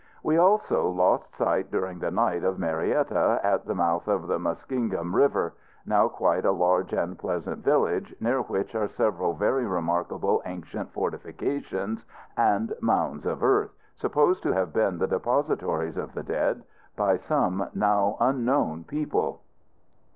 We also lost sight, during the night, of Marietta, at the mouth of the Muskingum River, now quite a large and pleasant village, near which are several very remarkable ancient fortifications and mounds of earth, supposed to have been the depositories of the dead, by some now unknown people.